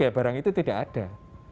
ya barang itu tidak ada